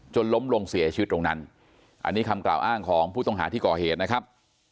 ล้มลงเสียชีวิตตรงนั้นอันนี้คำกล่าวอ้างของผู้ต้องหาที่ก่อเหตุนะครับ